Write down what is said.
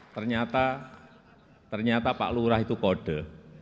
ternyata pak lurah itu kode